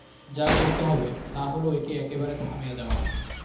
যা করতে হবে, তা হল একে একেবারে থামিয়া দেওয়া।